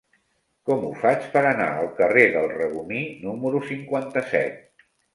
Com ho faig per anar al carrer del Regomir número cinquanta-set?